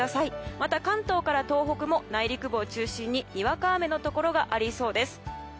また、関東から東北も内陸部を中心ににわか雨のところがありそうです。